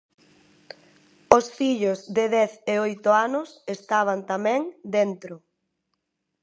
Os fillos, de dez e oito anos, estaban tamén dentro.